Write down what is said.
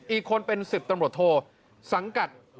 อีกคนเป็น๑๐ตำรวจโทสังกัด